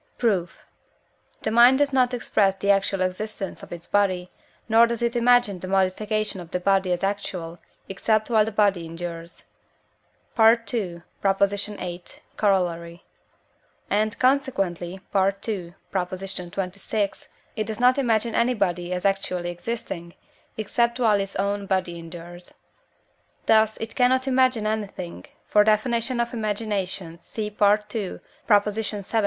Proof. The mind does not express the actual existence of its body, nor does it imagine the modifications of the body as actual, except while the body endures (II. viii. Coroll.); and, consequently (II. xxvi.), it does not imagine any body as actually existing, except while its own body endures. Thus it cannot imagine anything (for definition of Imagination, see II. xvii.